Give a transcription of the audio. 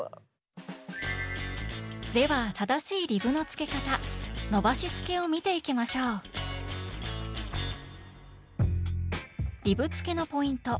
では正しいリブのつけ方「伸ばしつけ」を見ていきましょうリブつけのポイント。